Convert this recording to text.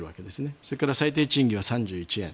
それから最低賃金は３１円。